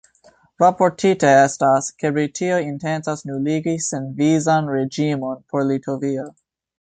Raportite estas, ke Britio intencas nuligi senvizan reĝimon por Litovio.